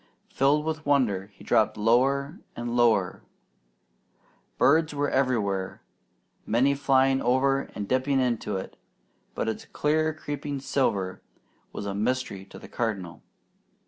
Filled with wonder he dropped lower and lower. Birds were everywhere, many flying over and dipping into it; but its clear creeping silver was a mystery to the Cardinal.